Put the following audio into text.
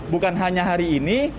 bukan hanya hari ini